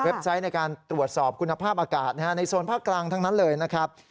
ไซต์ในการตรวจสอบคุณภาพอากาศในโซนภาคกลางทั้งนั้นเลยนะครับ